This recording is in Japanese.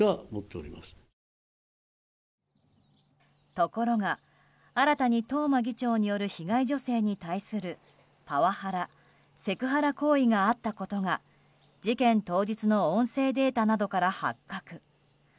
ところが新たに東間議長による被害女性に対するパワハラ・セクハラ行為があったことが事件当日の音声データなどから発覚。